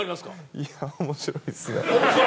いや面白いっすね。